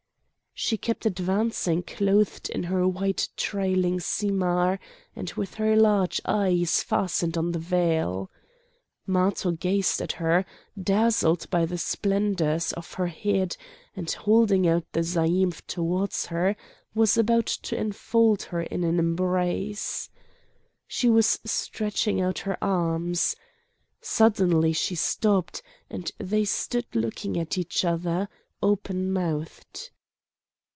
She kept advancing, clothed in her white trailing simar, and with her large eyes fastened on the veil. Matho gazed at her, dazzled by the splendours of her head, and, holding out the zaïmph towards her, was about to enfold her in an embrace. She was stretching out her arms. Suddenly she stopped, and they stood looking at each other, open mouthed.